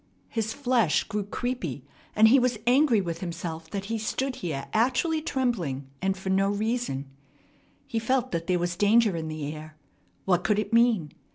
His flesh grew creepy, and he was angry with himself that he stood here actually trembling and for no reason. He felt that there was danger in the air. What could it mean?